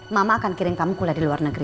mama akan kirim kamu kuliah di luar negeri